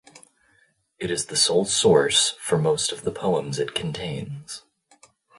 It is the sole source for most of the poems it contains.